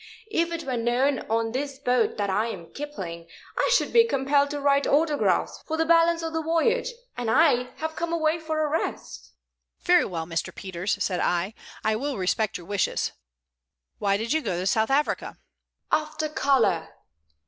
If it were known on this boat that I am Kipling, I should be compelled to write autographs for the balance of the voyage, and I have come away for a rest." "Very well, Mr. Peters," said I. "I will respect your wishes. Why did you go to South Africa?" "After color.